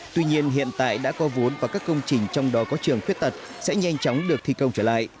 tuy nhiên hiện tại đã có vốn và các công trình trong đó có trường khuyết tật sẽ nhanh chóng được thi công trở lại